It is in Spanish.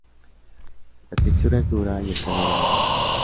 La textura es dura y el color amarillo.